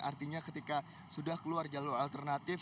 artinya ketika sudah keluar jalur alternatif